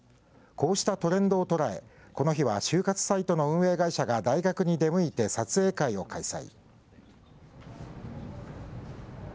こうしたトレンドを捉え、この日は就活サイトの運営会社が大学に出向いて撮影会を開催。